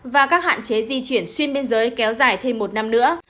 và các hạn chế di chuyển xuyên biên giới kéo dài thêm một năm nữa